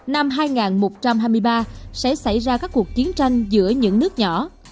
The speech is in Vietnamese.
năm hai nghìn một trăm hai mươi ba sẽ xảy ra các cuộc chiến tranh giữa những nước nhỏ